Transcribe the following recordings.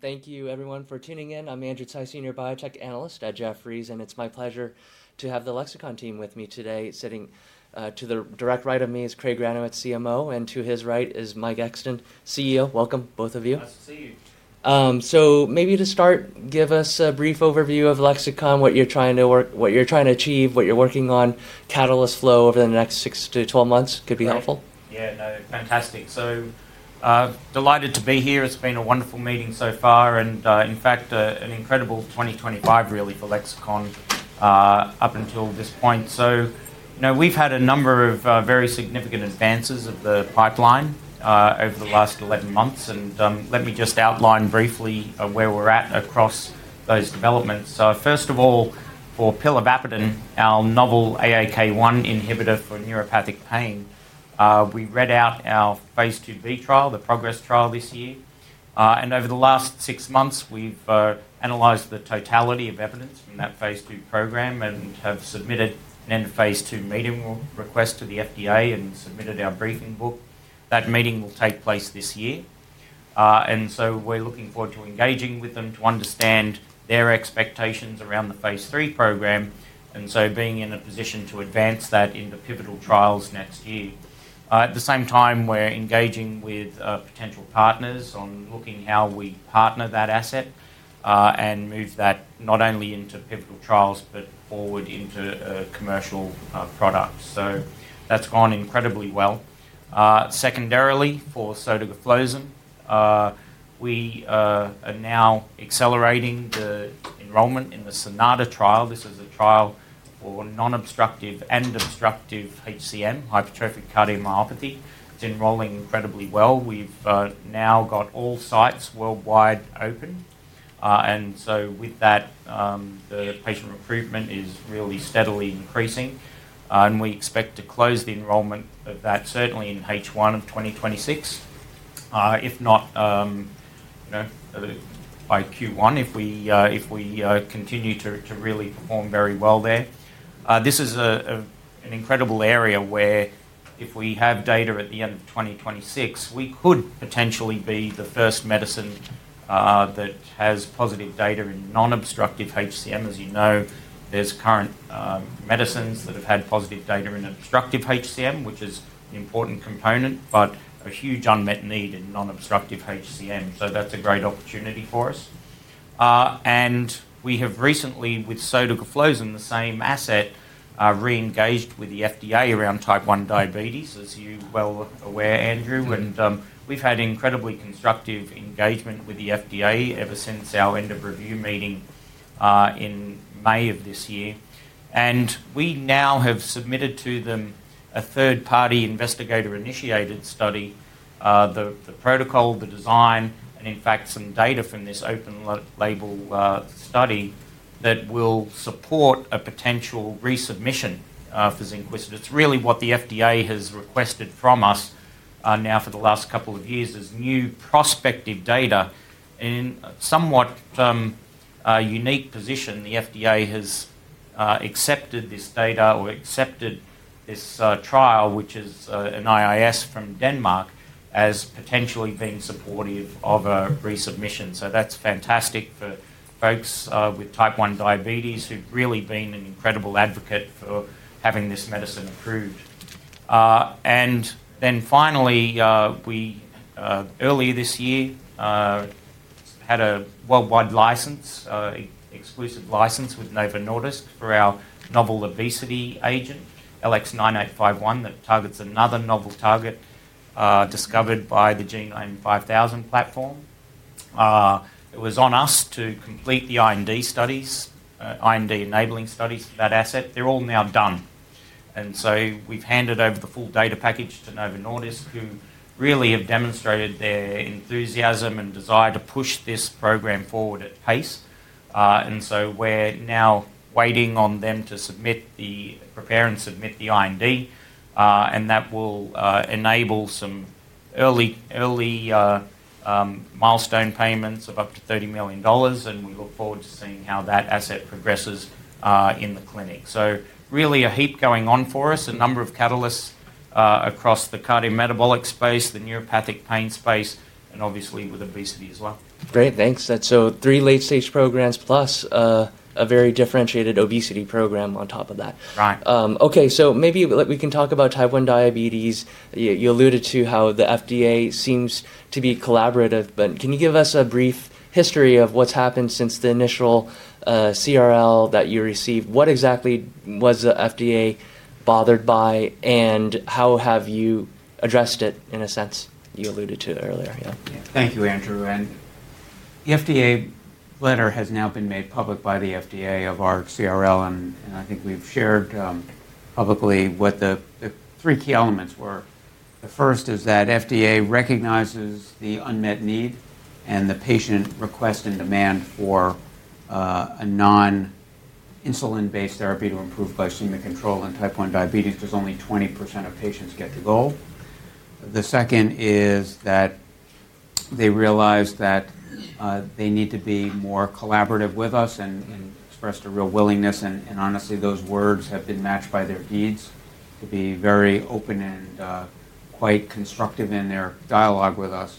Thank you, everyone, for tuning in. I'm Andrew Tsai, Senior Biotech Analyst at Jefferies, and it's my pleasure to have the Lexicon team with me today. Sitting to the direct right of me is Craig Granowitz, CMO, and to his right is Mike Exton, CEO. Welcome, both of you. Maybe to start, give us a brief overview of Lexicon, what you're trying to achieve, what you're working on, catalyst flow over the next 6 to 12 months. Could be helpful. Yeah, no, fantastic. So delighted to be here. It's been a wonderful meeting so far, and in fact, an incredible 2025, really, for Lexicon up until this point. We've had a number of very significant advances of the pipeline over the last 11 months. Let me just outline briefly where we're at across those developments. First of all, for pilavapadin, our novel AAK1 inhibitor for neuropathic pain, we read out our phase 2b trial, the PROGRESS trial this year. Over the last six months, we've analyzed the totality of evidence from that phase 2 program and have submitted an end-of-phase 2 meeting request to the FDA and submitted our briefing book. That meeting will take place this year. We are looking forward to engaging with them to understand their expectations around the phase 3 program, and being in a position to advance that into pivotal trials next year. At the same time, we are engaging with potential partners on looking at how we partner that asset and move that not only into pivotal trials but forward into a commercial product. That has gone incredibly well. Secondarily, for sotagliflozin, we are now accelerating the enrollment in the SONATA trial. This is a trial for non-obstructive and obstructive HCM, hypertrophic cardiomyopathy. It is enrolling incredibly well. We have now got all sites worldwide open. With that, the patient recruitment is really steadily increasing, and we expect to close the enrollment of that certainly in the first half of 2026, if not by the first quarter, if we continue to really perform very well there. This is an incredible area where if we have data at the end of 2026, we could potentially be the first medicine that has positive data in non-obstructive HCM. As you know, there are current medicines that have had positive data in obstructive HCM, which is an important component, but a huge unmet need in non-obstructive HCM. That is a great opportunity for us. We have recently, with sotagliflozin, the same asset, re-engaged with the FDA around type 1 diabetes, as you are well aware, Andrew. We have had incredibly constructive engagement with the FDA ever since our end-of-review meeting in May of this year. We now have submitted to them a third-party investigator-initiated study, the protocol, the design, and in fact, some data from this open-label study that will support a potential resubmission for Zynquista. It's really what the FDA has requested from us now for the last couple of years as new prospective data. In a somewhat unique position, the FDA has accepted this data or accepted this trial, which is an IIS from Denmark, as potentially being supportive of a resubmission. That's fantastic for folks with type 1 diabetes who've really been an incredible advocate for having this medicine approved. Finally, we earlier this year had a worldwide license, exclusive license with Novo Nordisk for our novel obesity agent, LX9851, that targets another novel target discovered by the Genome5000 platform. It was on us to complete the IND enabling studies for that asset. They're all now done. We've handed over the full data package to Novo Nordisk, who really have demonstrated their enthusiasm and desire to push this program forward at pace. We're now waiting on them to prepare and submit the IND, and that will enable some early milestone payments of up to $30 million. We look forward to seeing how that asset progresses in the clinic. Really a heap going on for us, a number of catalysts across the cardiometabolic space, the neuropathic pain space, and obviously with obesity as well. Great. Thanks. Three late-stage programs plus a very differentiated obesity program on top of that. Right. Okay. Maybe we can talk about type 1 diabetes. You alluded to how the FDA seems to be collaborative, but can you give us a brief history of what's happened since the initial CRL that you received? What exactly was the FDA bothered by, and how have you addressed it in a sense? You alluded to it earlier. Yeah. Thank you, Andrew. The FDA letter has now been made public by the FDA of our CRL, and I think we've shared publicly what the three key elements were. The first is that FDA recognizes the unmet need and the patient request and demand for a non-insulin-based therapy to improve glycemic control in type 1 diabetes, because only 20% of patients get the goal. The second is that they realize that they need to be more collaborative with us and expressed a real willingness. Honestly, those words have been matched by their deeds to be very open and quite constructive in their dialogue with us.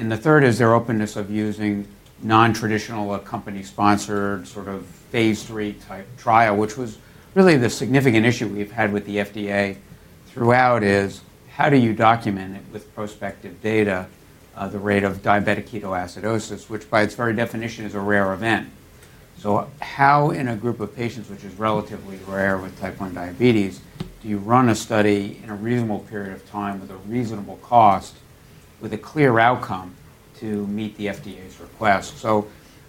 The third is their openness of using non-traditional or company-sponsored sort of phase 3 type trial, which was really the significant issue we've had with the FDA throughout is how do you document it with prospective data, the rate of diabetic ketoacidosis, which by its very definition is a rare event. In a group of patients, which is relatively rare with type 1 diabetes, how do you run a study in a reasonable period of time with a reasonable cost, with a clear outcome to meet the FDA's request?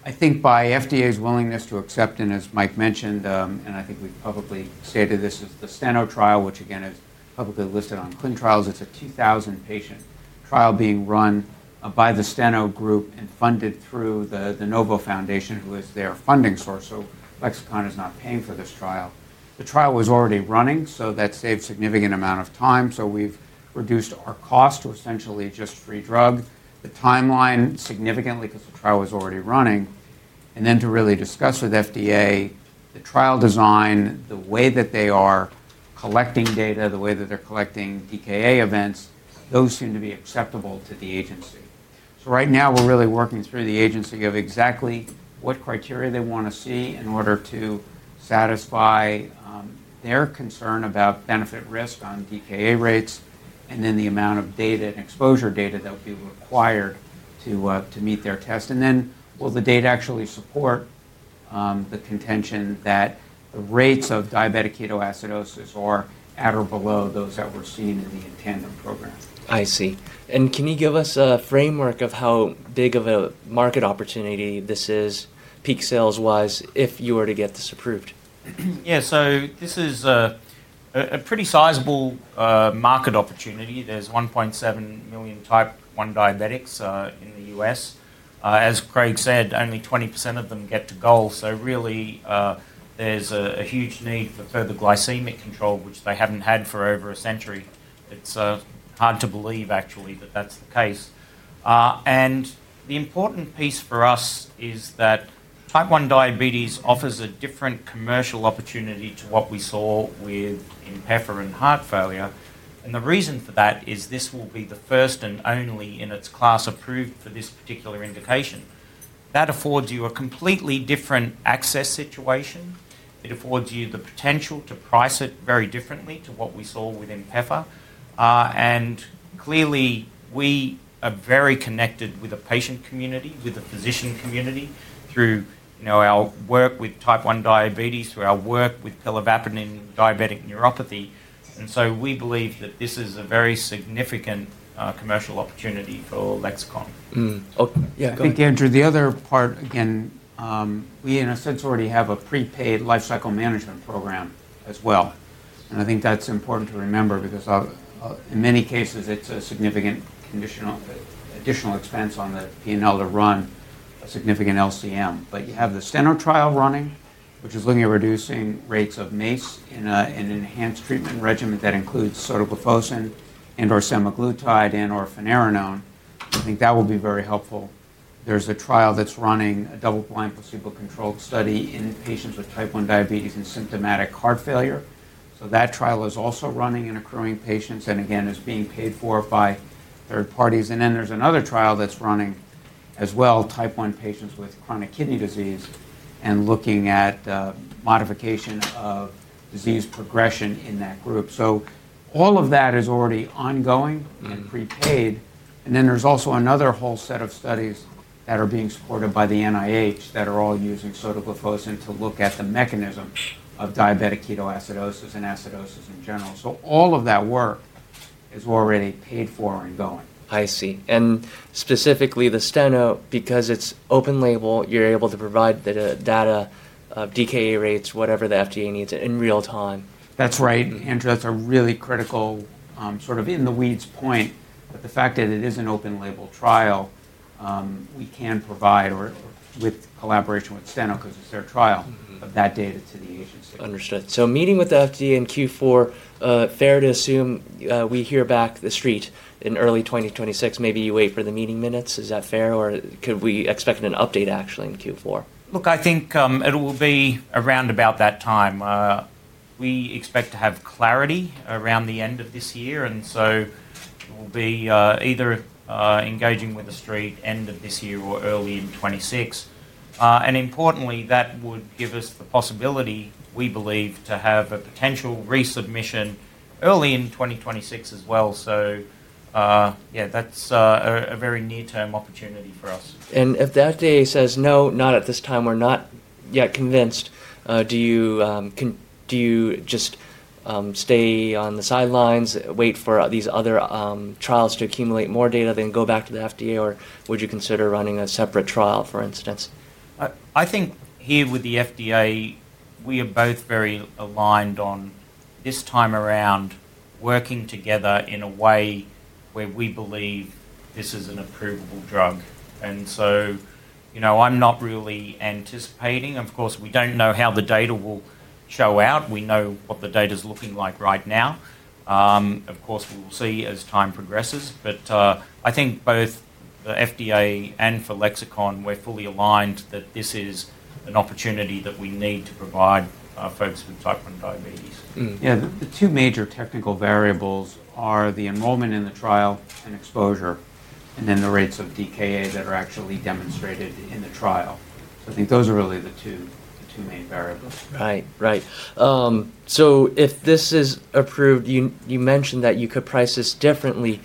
I think by FDA's willingness to accept, and as Mike mentioned, and I think we've publicly stated this as the Steno trial, which again is publicly listed on clinical trials, it's a 2,000-patient trial being run by the Steno group and funded through the Novo Foundation, who is their funding source. Lexicon is not paying for this trial. The trial was already running, so that saved a significant amount of time. We've reduced our cost to essentially just free drug. The timeline significantly, because the trial was already running. To really discuss with FDA the trial design, the way that they are collecting data, the way that they're collecting DKA events, those seem to be acceptable to the agency. Right now, we're really working through the agency on exactly what criteria they want to see in order to satisfy their concern about benefit risk on DKA rates and then the amount of data and exposure data that will be required to meet their test. Will the data actually support the contention that the rates of diabetic ketoacidosis are at or below those that we're seeing in the intended program? I see. Can you give us a framework of how big of a market opportunity this is, peak sales-wise, if you were to get this approved? Yeah. This is a pretty sizable market opportunity. There are 1.7 million type 1 diabetics in the U.S. As Craig said, only 20% of them get to goal. There is a huge need for further glycemic control, which they have not had for over a century. It is hard to believe, actually, that that is the case. The important piece for us is that type 1 diabetes offers a different commercial opportunity to what we saw with INPEFA and heart failure. The reason for that is this will be the first and only in its class approved for this particular indication. That affords you a completely different access situation. It affords you the potential to price it very differently to what we saw with INPEFA. We are very connected with a patient community, with a physician community through our work with type 1 diabetes, through our work with pilavapadin and diabetic neuropathy. We believe that this is a very significant commercial opportunity for Lexicon. Yeah. I think, Andrew, the other part, again, we in a sense already have a prepaid lifecycle management program as well. I think that's important to remember because in many cases, it's a significant additional expense on the P&L to run a significant LCM. You have the Steno trial running, which is looking at reducing rates of MACE in an enhanced treatment regimen that includes sotagliflozin and/or semaglutide and/or finerenone. I think that will be very helpful. There's a trial that's running a double-blind placebo-controlled study in patients with type 1 diabetes and symptomatic heart failure. That trial is also running and accruing patients and again, is being paid for by third parties. There's another trial that's running as well, type 1 patients with chronic kidney disease and looking at modification of disease progression in that group. All of that is already ongoing and prepaid. There is also another whole set of studies that are being supported by the NIH that are all using sotagliflozin to look at the mechanism of diabetic ketoacidosis and acidosis in general. All of that work is already paid for and going. I see. Specifically the Steno, because it is open label, you are able to provide the data of DKA rates, whatever the FDA needs in real time. That's right. Andrew, that's a really critical sort of in-the-weeds point that the fact that it is an open label trial, we can provide, with collaboration with Steno because it's their trial, that data to the agency. Understood. So meeting with the FDA in Q4, fair to assume we hear back the street in early 2026. Maybe you wait for the meeting minutes. Is that fair? Or could we expect an update actually in Q4? Look, I think it will be around about that time. We expect to have clarity around the end of this year. We will be either engaging with the street end of this year or early in 2026. Importantly, that would give us the possibility, we believe, to have a potential resubmission early in 2026 as well. Yeah, that is a very near-term opportunity for us. If the FDA says no, not at this time, we're not yet convinced, do you just stay on the sidelines, wait for these other trials to accumulate more data, then go back to the FDA, or would you consider running a separate trial, for instance? I think here with the FDA, we are both very aligned on this time around working together in a way where we believe this is an approvable drug. I'm not really anticipating. Of course, we don't know how the data will show out. We know what the data is looking like right now. Of course, we will see as time progresses. I think both the FDA and for Lexicon, we're fully aligned that this is an opportunity that we need to provide folks with type 1 diabetes. Yeah. The two major technical variables are the enrollment in the trial and exposure, and then the rates of DKA that are actually demonstrated in the trial. I think those are really the two main variables. Right. Right. If this is approved, you mentioned that you could price this differently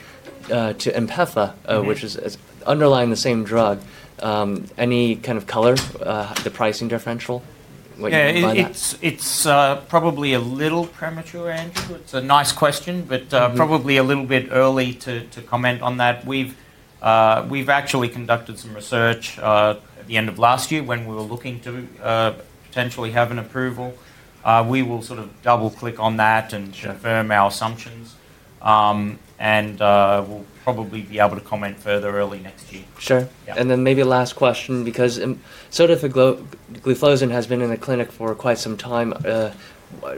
to INPEFA, which is underlying the same drug. Any kind of color, the pricing differential? Yeah. It's probably a little premature, Andrew. It's a nice question, but probably a little bit early to comment on that. We've actually conducted some research at the end of last year when we were looking to potentially have an approval. We will sort of double-click on that and confirm our assumptions. We'll probably be able to comment further early next year. Sure. And then maybe last question, because sotagliflozin has been in the clinic for quite some time.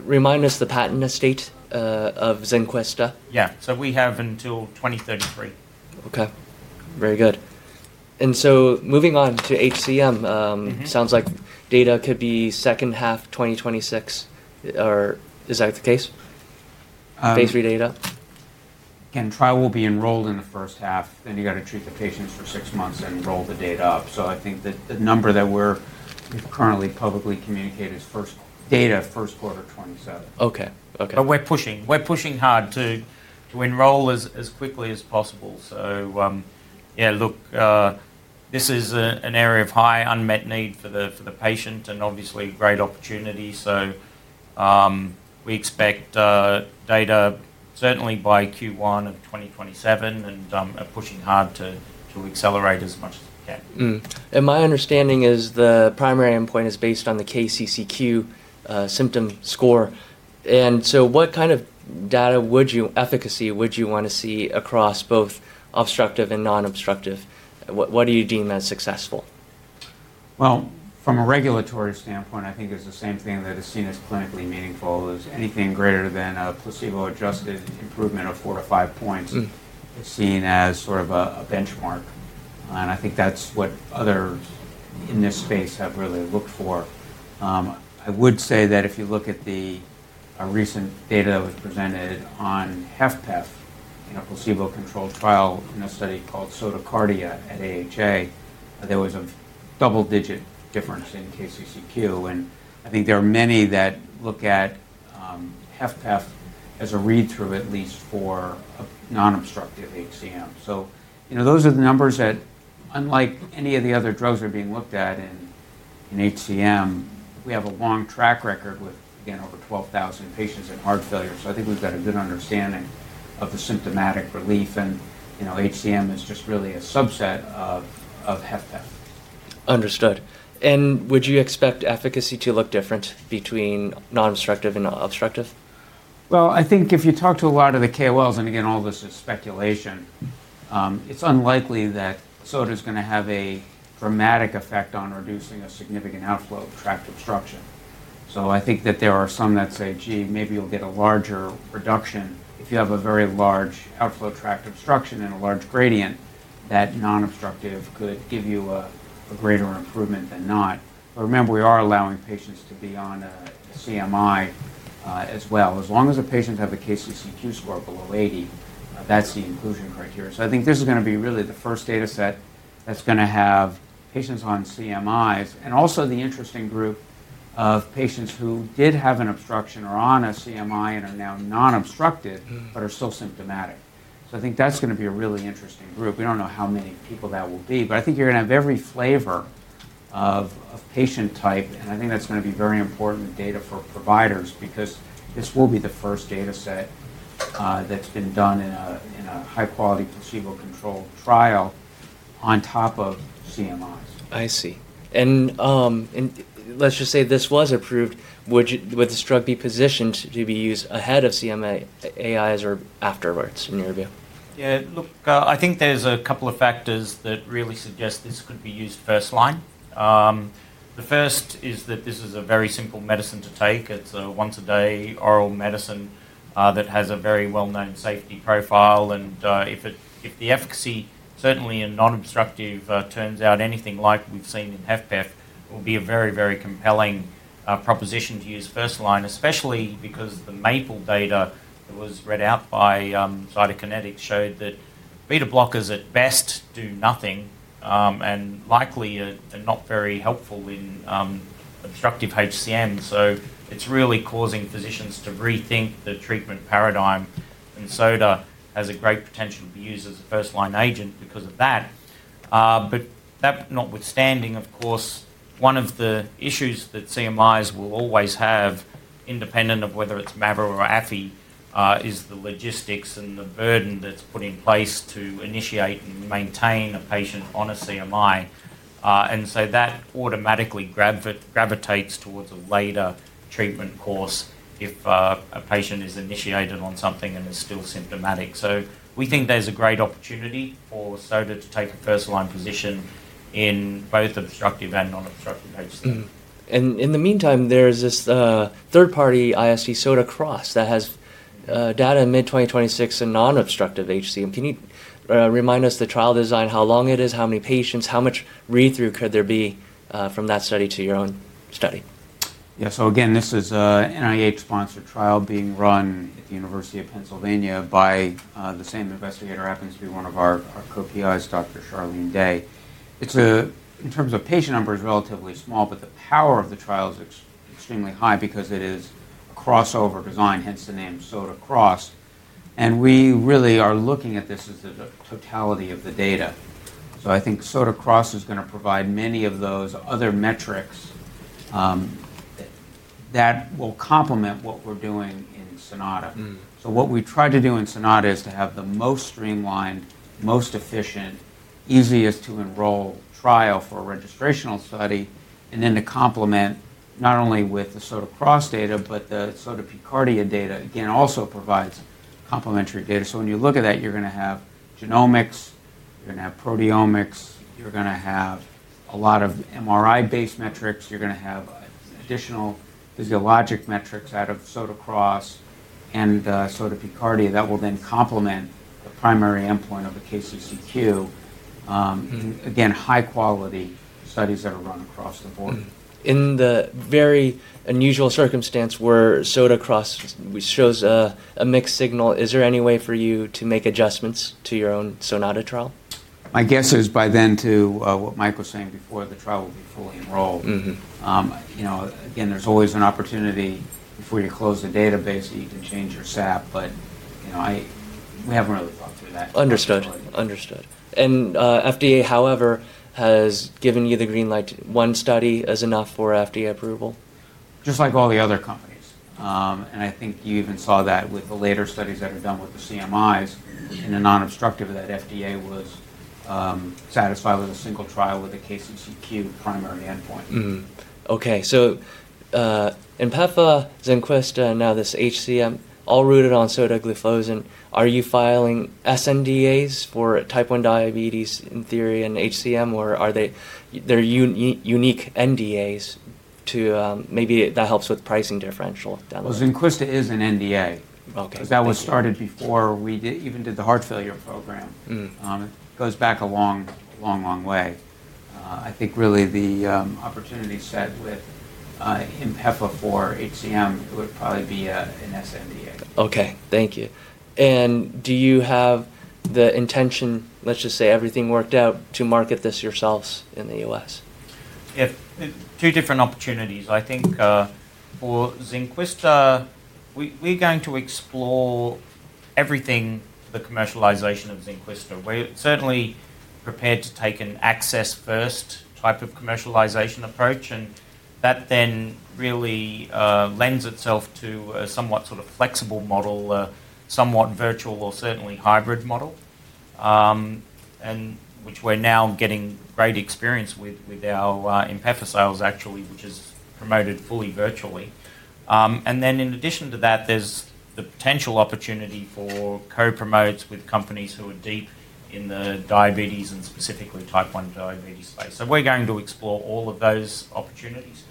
Remind us the patent estate of Zynquista. Yeah. So we have until 2033. Okay. Very good. Moving on to HCM, sounds like data could be second half 2026. Is that the case? Phase 3 data? Again, trial will be enrolled in the first half. Then you got to treat the patients for six months and roll the data up. I think that the number that we've currently publicly communicated is data first quarter 2027. Okay. Okay. We are pushing. We are pushing hard to enroll as quickly as possible. Yeah, look, this is an area of high unmet need for the patient and obviously great opportunity. We expect data certainly by Q1 of 2027 and pushing hard to accelerate as much as we can. My understanding is the primary endpoint is based on the KCCQ symptom score. What kind of data efficacy would you want to see across both obstructive and non-obstructive? What do you deem as successful? From a regulatory standpoint, I think it's the same thing that is seen as clinically meaningful. Anything greater than a placebo-adjusted improvement of four to five points is seen as sort of a benchmark. I think that's what others in this space have really looked for. I would say that if you look at the recent data that was presented on HFpEF in a placebo-controlled trial in a study called Sotocardia at AHA, there was a double-digit difference in KCCQ. I think there are many that look at HFpEF as a read-through at least for non-obstructive HCM. Those are the numbers that, unlike any of the other drugs that are being looked at in HCM, we have a long track record with, again, over 12,000 patients in heart failure. I think we've got a good understanding of the symptomatic relief. HCM is just really a subset of HFpEF. Understood. Would you expect efficacy to look different between non-obstructive and obstructive? I think if you talk to a lot of the KOLs, and again, all this is speculation, it's unlikely that sota is going to have a dramatic effect on reducing a significant outflow of tract obstruction. I think that there are some that say, "Gee, maybe you'll get a larger reduction." If you have a very large outflow tract obstruction and a large gradient, that non-obstructive could give you a greater improvement than not. Remember, we are allowing patients to be on a CMI as well. As long as the patients have a KCCQ score below 80, that's the inclusion criteria. I think this is going to be really the first data set that's going to have patients on CMIs and also the interesting group of patients who did have an obstruction or are on a CMI and are now non-obstructive but are still symptomatic. I think that's going to be a really interesting group. We don't know how many people that will be. I think you're going to have every flavor of patient type. I think that's going to be very important data for providers because this will be the first data set that's been done in a high-quality placebo-controlled trial on top of CMIs. I see. Let's just say this was approved, would this drug be positioned to be used ahead of CMI AIs or afterwards in your view? Yeah. Look, I think there's a couple of factors that really suggest this could be used first line. The first is that this is a very simple medicine to take. It's a once-a-day oral medicine that has a very well-known safety profile. If the efficacy certainly in non-obstructive turns out anything like we've seen in HFpEF, it will be a very, very compelling proposition to use first line, especially because the Maple data that was read out by Cytokinetics showed that beta blockers at best do nothing and likely are not very helpful in obstructive HCM. It is really causing physicians to rethink the treatment paradigm. sota has a great potential to be used as a first-line agent because of that. That notwithstanding, of course, one of the issues that CMIs will always have, independent of whether it's MAVR or AFI, is the logistics and the burden that's put in place to initiate and maintain a patient on a CMI. That automatically gravitates towards a later treatment course if a patient is initiated on something and is still symptomatic. We think there's a great opportunity for sota to take a first-line position in both obstructive and non-obstructive HCM. In the meantime, there is this third-party ISE, SOTA-CROSS, that has data in mid-2026 in non-obstructive HCM. Can you remind us the trial design, how long it is, how many patients, how much read-through could there be from that study to your own study? Yeah. So again, this is an NIH-sponsored trial being run at the University of Pennsylvania by the same investigator who happens to be one of our co-PIs, Dr. Charlene Day. In terms of patient numbers, relatively small, but the power of the trial is extremely high because it is a crossover design, hence the name SOTA-CROSS. We really are looking at this as the totality of the data. I think SOTA-CROSS is going to provide many of those other metrics that will complement what we're doing in Sonata. What we tried to do in Sonata is to have the most streamlined, most efficient, easiest-to-enroll trial for a registrational study, and then to complement not only with the SOTA-CROSS data, but the SOTA-P-CARDIA data, again, also provides complementary data. When you look at that, you're going to have genomics, you're going to have proteomics, you're going to have a lot of MRI-based metrics, you're going to have additional physiologic metrics out of SOTA-CROSS and SOTA-P-CARDIA that will then complement the primary endpoint of the KCCQ. Again, high-quality studies that are run across the board. In the very unusual circumstance where SOTA-CROSS shows a mixed signal, is there any way for you to make adjustments to your own SONATA trial? My guess is by then, to what Mike was saying before, the trial will be fully enrolled. Again, there's always an opportunity before you close the database that you can change your SAP, but we haven't really thought through that. Understood. Understood. FDA, however, has given you the green light. One study is enough for FDA approval? Just like all the other companies. I think you even saw that with the later studies that are done with the CMIs in the non-obstructive that FDA was satisfied with a single trial with a KCCQ primary endpoint. Okay. So INPEFA, Zynquista, and now this HCM, all rooted on sotagliflozin. Are you filing sNDAs for type 1 diabetes in theory in HCM, or are there unique NDAs? Maybe that helps with pricing differential down the line. Zynquista is an NDA because that was started before we even did the heart failure program. It goes back a long, long, long way. I think really the opportunity set with INPEFA for HCM, it would probably be an sNDA. Okay. Thank you. Do you have the intention, let's just say everything worked out, to market this yourselves in the U.S.? Two different opportunities. I think for Zynquista, we're going to explore everything for the commercialization of Zynquista. We're certainly prepared to take an access-first type of commercialization approach. That then really lends itself to a somewhat sort of flexible model, somewhat virtual, or certainly hybrid model, which we're now getting great experience with our INPEFA sales, actually, which is promoted fully virtually. In addition to that, there's the potential opportunity for co-promotes with companies who are deep in the diabetes and specifically type 1 diabetes space. We're going to explore all of those opportunities.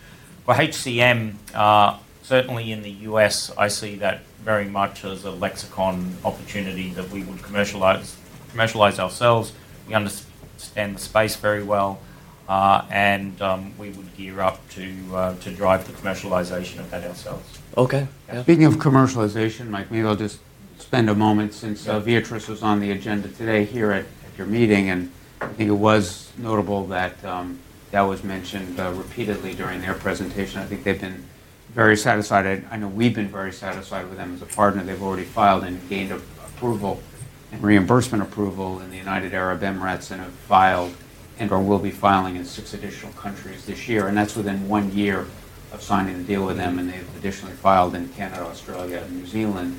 For HCM, certainly in the U.S., I see that very much as a Lexicon opportunity that we would commercialize ourselves. We understand the space very well. We would gear up to drive the commercialization of that ourselves. Okay. Speaking of commercialization, Mike, maybe I'll just spend a moment since Beatrice was on the agenda today here at your meeting. I think it was notable that that was mentioned repeatedly during their presentation. I think they've been very satisfied. I know we've been very satisfied with them as a partner. They've already filed and gained approval and reimbursement approval in the United Arab Emirates and have filed and/or will be filing in six additional countries this year. That's within one year of signing the deal with them. They've additionally filed in Canada, Australia, and New Zealand,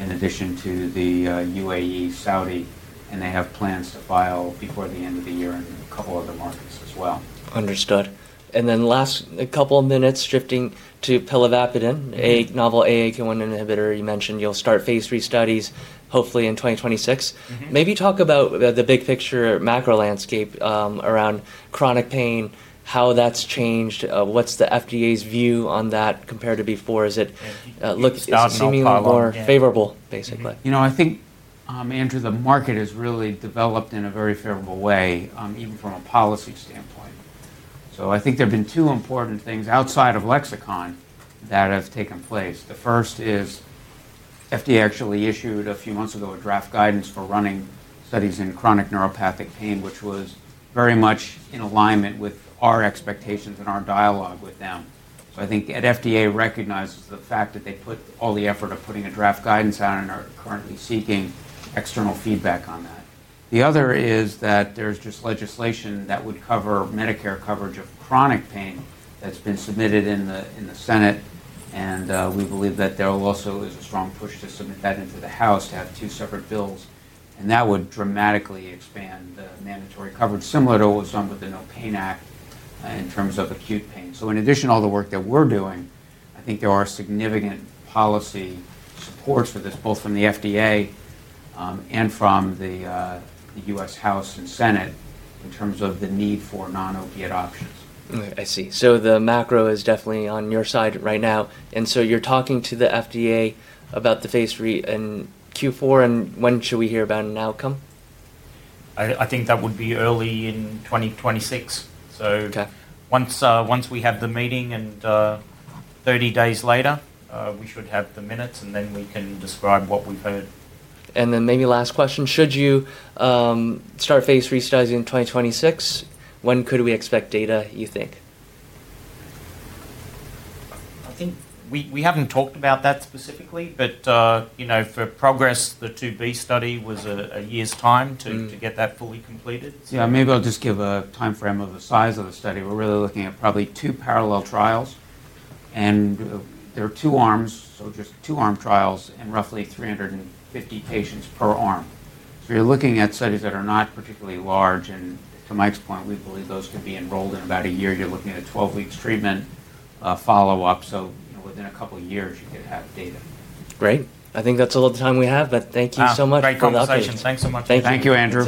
in addition to the UAE, Saudi. They have plans to file before the end of the year in a couple of other markets as well. Understood. Last couple of minutes shifting to pilavapadin, a novel AAK1 inhibitor. You mentioned you'll start phase 3 studies hopefully in 2026. Maybe talk about the big picture macro landscape around chronic pain, how that's changed. What's the FDA's view on that compared to before? Is it looking seemingly more favorable, basically? You know, I think, Andrew, the market has really developed in a very favorable way, even from a policy standpoint. I think there have been two important things outside of Lexicon that have taken place. The first is FDA actually issued a few months ago a draft guidance for running studies in chronic neuropathic pain, which was very much in alignment with our expectations and our dialogue with them. I think FDA recognizes the fact that they put all the effort of putting a draft guidance out and are currently seeking external feedback on that. The other is that there's just legislation that would cover Medicare coverage of chronic pain that's been submitted in the Senate. We believe that there also is a strong push to submit that into the House to have two separate bills. That would dramatically expand the mandatory coverage, similar to what was done with the No Pain Act in terms of acute pain. In addition to all the work that we're doing, I think there are significant policy supports for this, both from the FDA and from the U.S. House and Senate in terms of the need for non-opiate options. I see. The macro is definitely on your side right now. You're talking to the FDA about the phase 3 in Q4. When should we hear about an outcome? I think that would be early in 2026. Once we have the meeting and 30 days later, we should have the minutes. Then we can describe what we've heard. Maybe last question. Should you start phase 3 studies in 2026, when could we expect data, you think? I think we haven't talked about that specifically. For PROGRESS, the phase 2b study was a year's time to get that fully completed. Yeah, maybe I'll just give a time frame of the size of the study. We're really looking at probably two parallel trials. There are two arms, so just two-arm trials and roughly 350 patients per arm. You're looking at studies that are not particularly large. To Mike's point, we believe those could be enrolled in about a year. You're looking at a 12-week treatment follow-up. Within a couple of years, you could have data. Great. I think that's all the time we have. Thank you so much for the update. Great conversation. Thanks so much. Thank you, Andrew.